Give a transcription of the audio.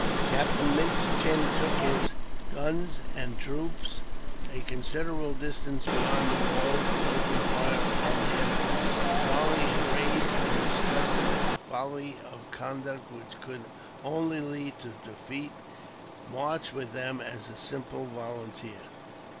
Captain Minchin took his guns and troops a considerable distance beyond the walls, and opened fire upon the enemy. Charlie, enraged and disgusted at the folly of conduct which could only lead to defeat, marched with them as a simple volunteer.